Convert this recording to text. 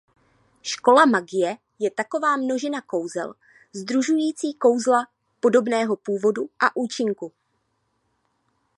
Škola magie je taková množina kouzel sdružující kouzla podobného původu a účinků.